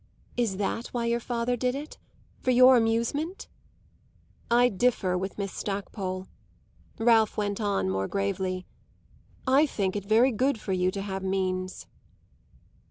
"Is that why your father did it for your amusement?" "I differ with Miss Stackpole," Ralph went on more gravely. "I think it very good for you to have means."